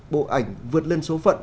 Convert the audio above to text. bộ ảnh vượt lên số phận